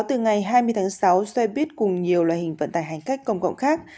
từ ngày hai mươi tháng sáu xe buýt cùng nhiều loại hình vận tải hành khách công cộng khác